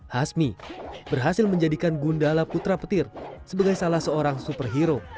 hasmi berhasil menjadikan gundala putra petir sebagai salah seorang superhero